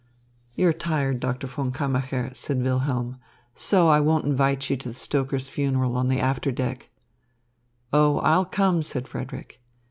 "You're tired, Doctor von Kammacher," said Wilhelm. "So I won't invite you to the stoker's funeral on the after deck." "Oh, I'll come," said Frederick.